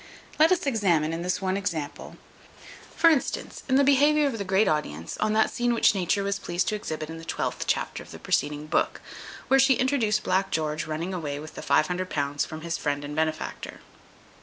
Let us examine this in one example; for instance, in the behaviour of the great audience on that scene which Nature was pleased to exhibit in the twelfth chapter of the preceding book, where she introduced Black George running away with the £500 from his friend and benefactor.